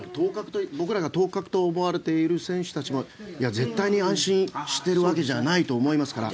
僕らが当確と思われている選手たちも絶対に安心しているわけではないと思いますから。